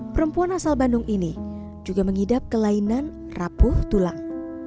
perempuan asal bandung ini juga mengidap kelainan rapuh tulang